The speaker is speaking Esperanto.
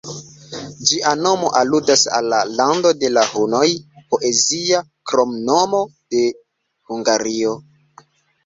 Ĝia nomo aludas al la ""Lando de la Hunoj"", poezia kromnomo de Hungario.